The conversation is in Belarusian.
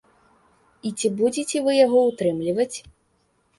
І ці будзеце вы яго ўтрымліваць?